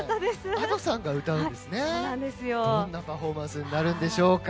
どんなパフォーマンスになるんですかね。